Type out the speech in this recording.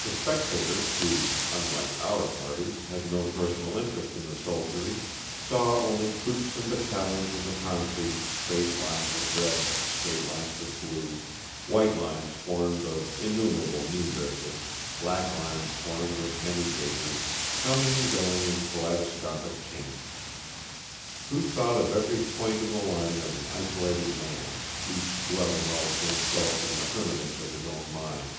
The spectators, who, unlike our party, had no personal interest in the soldiery, saw only troops and battalions in the concrete, straight lines of red, straight lines of blue, white lines formed of innumerable knee breeches, black lines formed of many gaiters, coming and going in kaleidoscopic change. Who thought of every point in the line as an isolated man, each dwelling all to himself in the hermitage of his own mind?